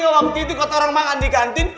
waktunya waktu itu kota orang makan di kantin